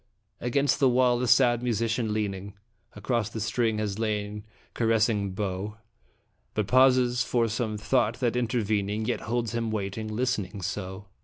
Against the wall a sad musician leaning Across the strings has lain caressing bow, But pauses for some thought that intervening Yet holds him waiting, listening so.